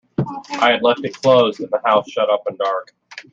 I had left it closed and the house shut up and dark.